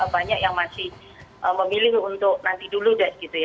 banyak yang masih memilih untuk nanti dulu deh gitu ya